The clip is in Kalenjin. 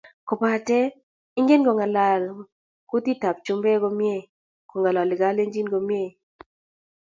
kobate ingen ko ngalal kutit ab chumbek komie ko ngololi kalenjin komie